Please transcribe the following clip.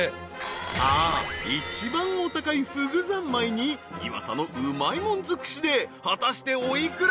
［さあ一番お高いふぐ三昧に磐田のうまいもん尽くしで果たしてお幾ら？］